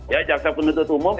ya jaksa penuntut umum